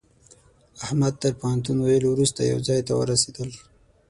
احمد تر پوهنتون ويلو روسته يوه ځای ته ورسېدل.